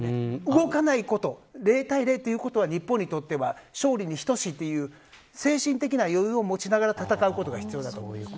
動かないこと０対０ということは日本にとっては勝利に等しいという精神的な余裕をもちながら戦うことが必要だと思います。